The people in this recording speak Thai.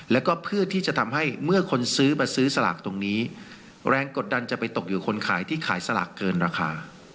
แล้วก็เพื่อที่จะทำให้เมื่อคนซื้อมาซื้อสลากตรงนี้แรงกดดันจะไปตกอยู่คนขายที่ขายสลากเกินราคา